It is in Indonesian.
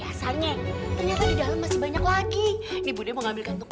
hanya ini adalah ada waktu untuk menyukai